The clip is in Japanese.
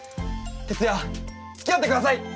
徹夜つきあって下さい！